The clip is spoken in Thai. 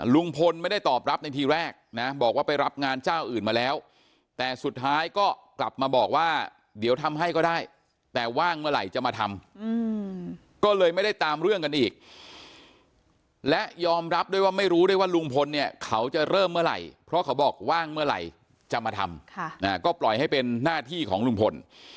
ลุงพลไม่ได้ตอบรับในทีแรกนะบอกว่าไปรับงานเจ้าอื่นมาแล้วแต่สุดท้ายก็กลับมาบอกว่าเดี๋ยวทำให้ก็ได้แต่ว่างเมื่อไหร่จะมาทำก็เลยไม่ได้ตามเรื่องกันอีกและยอมรับด้วยว่าไม่รู้ด้วยว่าลุงพลเนี่ยเขาจะเริ่มเมื่อไหร่เพราะเขาบอกว่างเมื่อไหร่จะมาทำก็ปล่อยให้เป็นหน้าที่ของลุงพล